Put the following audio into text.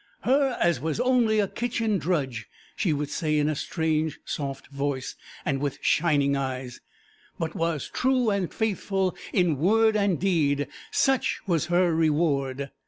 "Her, as was only a kitchen drudge," she would say in a strange soft voice and with shining eyes, "but was true and faithful in word and deed, such was her reward."